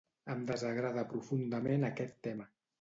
Em desagrada profundament aquest tema.